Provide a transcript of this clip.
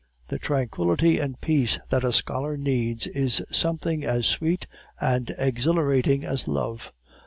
The tranquillity and peace that a scholar needs is something as sweet and exhilarating as love.